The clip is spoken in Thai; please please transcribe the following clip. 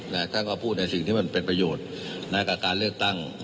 ท่านก็พูดในสิ่งที่มันเป็นประโยชน์นะกับการเลือกตั้ง